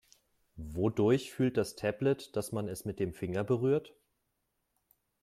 Wodurch fühlt das Tablet, dass man es mit dem Finger berührt?